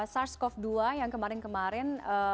sars cov dua yang kemarin kemarin